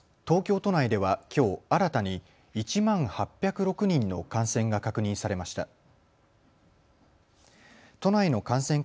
東京都内ではきょう新たに１万８０６人の感染が確認されました。